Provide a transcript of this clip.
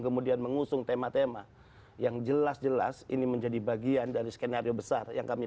kemudian mengusung tema tema yang jelas jelas ini menjadi bagian dari skenario besar yang kami